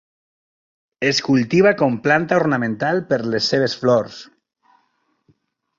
Es cultiva com planta ornamental per les seves flors.